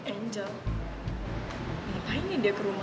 angel kenapa ini dia ke rumah